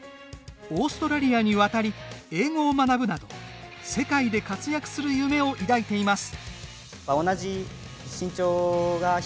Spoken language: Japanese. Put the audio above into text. オーストラリアに渡り英語を学ぶなど世界で活躍する夢を抱いています。